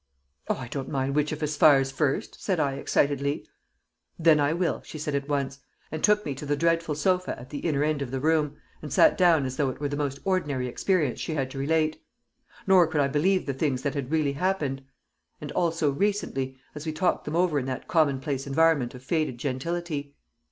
"Oh, I don't mind which of us fires first!" said I, excitedly. "Then I will," she said at once, and took me to the dreadful sofa at the inner end of the room, and sat down as though it were the most ordinary experience she had to relate. Nor could I believe the things that had really happened, and all so recently, as we talked them over in that commonplace environment of faded gentility.